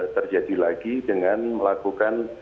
terjadi lagi dengan melakukan